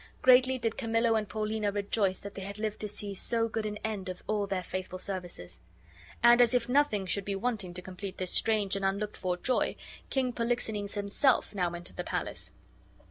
Greatly did Camillo and Paulina rejoice that they had lived to see so good an end of all their faithful services. And as if nothing should be wanting to complete this strange and unlooked for joy, King Polixenes himself now entered the palace.